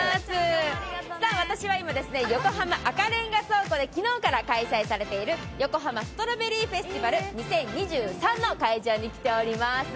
私は今、横浜赤レンガ倉庫で昨日から開催されている横浜ストロベリーフェスティバル２０２３の会場に来ております。